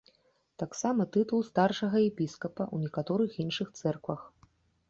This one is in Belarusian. Таксама тытул старшага епіскапа ў некаторых іншых цэрквах.